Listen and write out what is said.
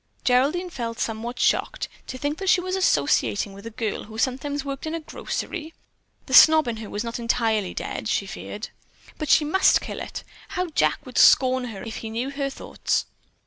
Geraldine felt somewhat shocked. To think that she was associating with a girl who sometimes worked in a grocery. The snob in her was not entirely dead, she feared. But she must kill it! How Jack would scorn her if he knew her thoughts.